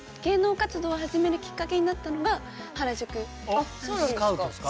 あっそうなんですか？